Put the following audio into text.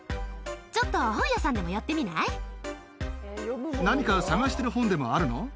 ちょっと本屋さんでも寄って何か、探してる本でもあるの？